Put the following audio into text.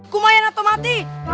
kumayan atau mati